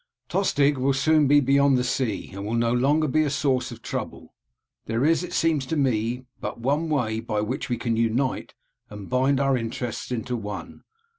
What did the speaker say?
"Tostig will soon be beyond the sea, and will no longer be a source of trouble. There is, it seems to me, but one way by which we can unite and bind our interests into one.